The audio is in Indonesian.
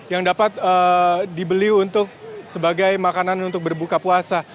yang dapat dibeli untuk sebagai makanan untuk berbuka puasa